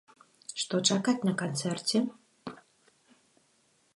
Што чакаць на канцэрце?